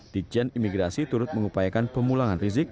dijen imigrasi turut mengupayakan pemulangan rizik